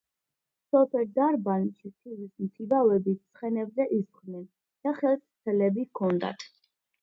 სოფელ დარბანდში თივის მთიბავები ცხენებზე ისხდნენ და ხელთ ცელები ჰქონდათ